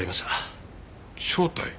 正体？